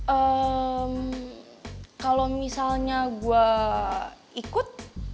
eh kalau misalnya gue ikut